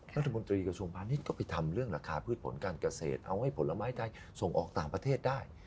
รัฐมนตรีกสมพันธ์นี้ก็ไปทำเรื่องราคาพืชผลการกเกษตรเอาให้ผลไม้ให้ส่งออกต่างประเทศได้